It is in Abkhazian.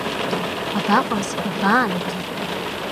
Бабаҟаз, бабаанагеи?